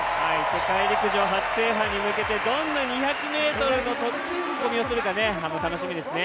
世界陸上初制覇に向けてどんな２００ｍを走るか楽しみですね。